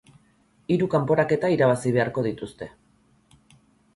Hiru kanporaketa irabazi beharko dituzte.